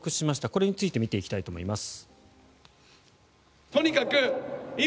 これについて見ていきたいと思います。